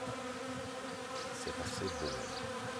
c'est assez bon.